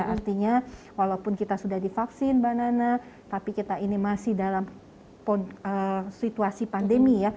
artinya walaupun kita sudah divaksin tapi kita masih dalam situasi pandemi